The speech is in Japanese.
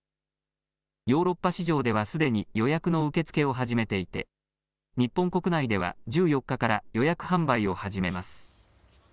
ヨーロッパ市場ではすでに予約の受け付けを始めていて日本国内では１４日から予約販売を始めます。